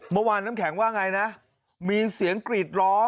เมื่อวานน้ำแข็งว่าไงนะมีเสียงกรีดร้อง